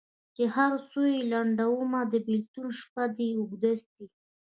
چي هر څو یې لنډومه د بېلتون شپه دي اوږده سي